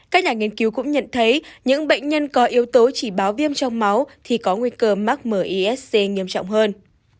các nhà nghiên cứu cũng nhận thấy những bệnh nhân có yếu tố chỉ báo viêm trong máu thì có nguy cơ mắc mesc nghiêm trọng hơn